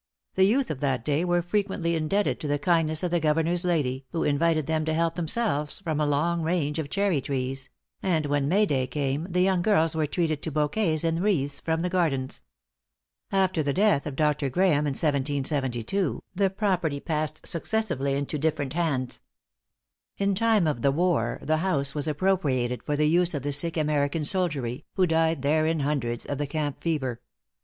The youth of that day were frequently indebted to the kindness of the Governor's lady, who invited them to help themselves from a long range of cherry trees; and when May day came, the young girls were treated to bouquets and wreaths from the gardens. After the death of Dr. Graeme, in 1772, the property passed successively into different hands. In time of the war, the house was appropriated for the use of the sick American soldiery, who died there in hundreds, of the camp fever.